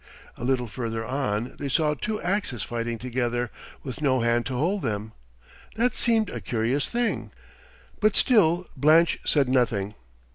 A little further on they saw two axes fighting together with no hand to hold them. That seemed a curious thing, but still Blanche said nothing.